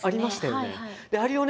あれをね